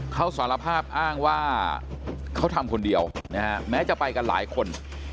เขาสารภาพอ้างว่าเขาทำคนเดียวนะฮะแม้จะไปกันหลายคน